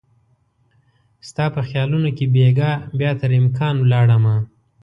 ستا په خیالونو کې بیګا بیا تر امکان ولاړ مه